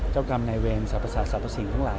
เจ้ากรรมนายเวรสัพศาสตร์สัพศิลป์ทั้งหลาย